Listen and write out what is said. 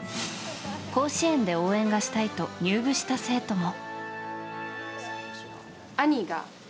甲子園で応援がしたいと入部した生徒も。